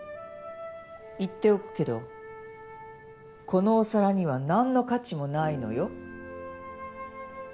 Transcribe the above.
言っておくけどこのお皿には何の価値もないのよ。